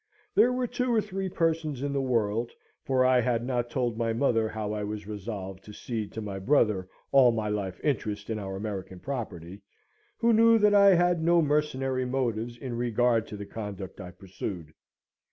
There were two or three persons in the world (for I had not told my mother how I was resolved to cede to my brother all my life interest in our American property) who knew that I had no mercenary motives in regard to the conduct I pursued.